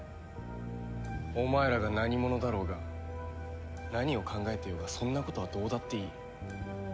お前らが何者だろうが何を考えてようがそんなことはどうだっていい。